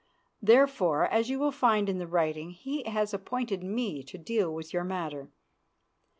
Therefore, as you will find in the writing, he has appointed me to deal with your matter.